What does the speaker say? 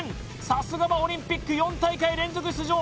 さすがはオリンピック４大会連続出場